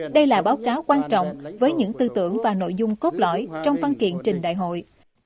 đây là báo cáo quan trọng với những tư tưởng và nội dung cốt lõi trong văn kiện trình đại hội